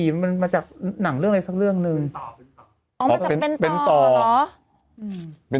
เมื่อเจอศุกริน้ำก็คือเหมือนเจอผี